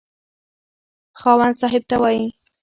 خاوند صاحب ته وايي.